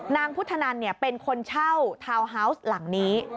นางพุทธนันเป็นคนเช่าทาวน์ฮาวส์หลังนี้